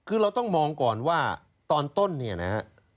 คือเราต้องมองก่อนว่าตอนต้นเนี่ยนะฮะ